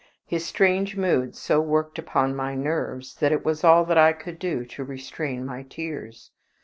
His strange mood so worked upon my nerves, that it was all that I could do to restrain my tears.